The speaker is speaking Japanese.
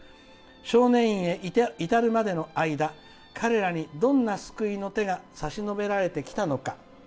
少年院へ至るまでの間彼らにどんな救いの手が差し伸べられてきたのか。